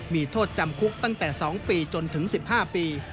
มีโทษจำคุกตั้งแต่๒ปีจนถึง๑๕ปี